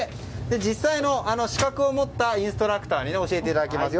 実際の資格を持ったインストラクターに教えていただきます。